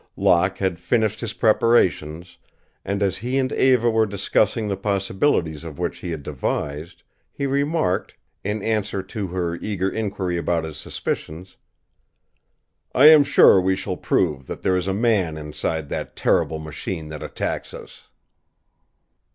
Locke had finished his preparations, and as he and Eva were discussing the possibilities of what he had devised, he remarked, in answer to her eager inquiry about his suspicions, "I am sure we shall prove that there is a man inside the terrible machine that attacks us."